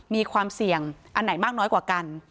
มีความเสี่ยงอันไหนมากน้อยกว่ากัน